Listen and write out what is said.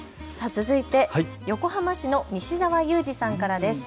続いて横浜市の西澤優治さんからです。